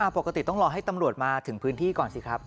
ปกติต้องรอให้ตำรวจมาถึงพื้นที่ก่อนสิครับ